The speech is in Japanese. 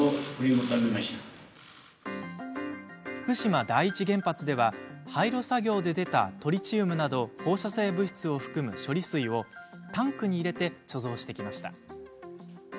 福島第一原発では廃炉作業で出たトリチウムなど放射性物質を含む処理水をタンクに入れて貯蔵してきました。